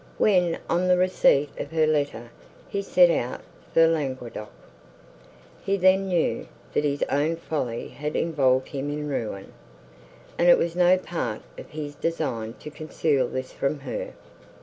When, on the receipt of her letter, he set out for Languedoc, he then knew, that his own folly had involved him in ruin, and it was no part of his design to conceal this from her.